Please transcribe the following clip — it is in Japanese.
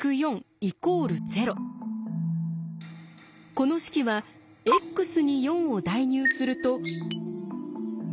この式はＸに４を代入すると。